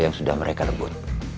yang sudah mereka rebut